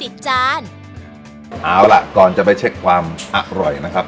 เอาล่ะก่อนจะไปเช็คความอร่อยนะครับ